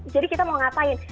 jadi kita mau ngapain